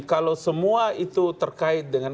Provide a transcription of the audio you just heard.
kalau semua itu terkait dengan